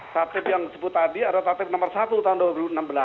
tatib yang disebut tadi adalah tatip nomor satu tahun dua ribu enam belas